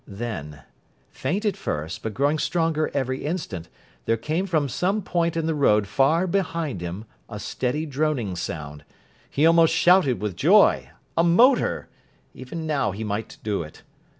Then, faint at first, but growing stronger every instant, there came from some point in the road far behind him a steady droning sound. He almost shouted with joy. A motor! Even now he might do it.